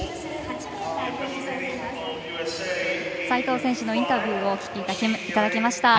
齋藤選手のインタビューをお聞きいただきました。